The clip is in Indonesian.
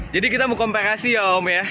jadi kita mau kompensasi ya om ya